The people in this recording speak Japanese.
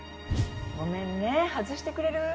ごめんね外してくれる？